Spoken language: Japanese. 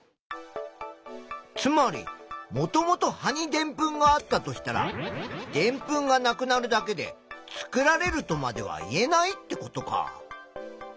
つまりもともと葉にでんぷんがあったとしたらでんぷんがなくなるだけで作られるとまでは言えないってことか。